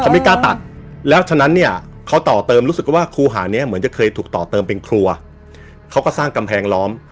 ไม่กล้าตัดแล้วฉะนั้นเนี่ยเขาต่อเติมรู้สึกว่าครูหานี้เหมือนจะเคยถูกต่อเติมเป็นครัวเขาก็สร้างกำแพงล้อม